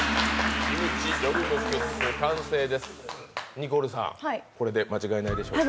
ニコルさんこれで間違いないでしょうか？